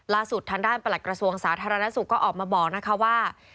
ล่าสุดทางด้านประหลัดกระทรวงสาธารณสุขก็ออกมาบอกนะคะว่า